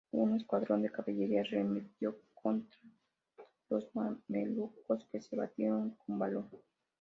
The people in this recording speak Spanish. Un escuadrón de caballería arremetió contra los mamelucos que se batieron con valor.